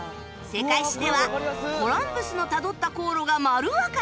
世界史ではコロンブスのたどった航路が丸わかり